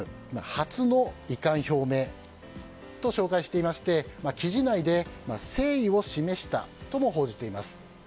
初の遺憾表明と紹介していまして、記事内で誠意を示したとも報じています。